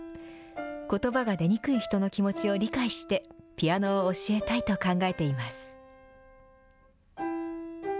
ことばが出にくい人の気持ちを理解して、ピアノを教えたいと考えています。